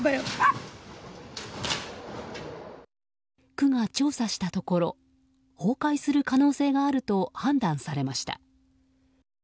区が調査したところ崩壊する可能性があると判断されました。